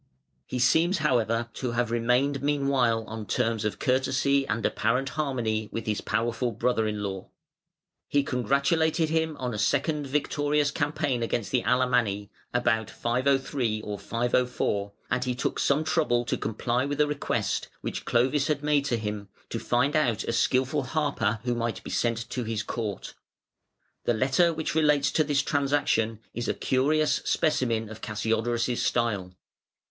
He seems, however, to have remained meanwhile on terms of courtesy and apparent harmony with his powerful brother in law. He congratulated him on a second victorious campaign against the Alamanni (about 503 or 504), and he took some trouble to comply with a request, which Clovis had made to him, to find out a skilful harper who might be sent to his court. The letter which relates to this transaction is a curious specimen of Cassiodorus' style.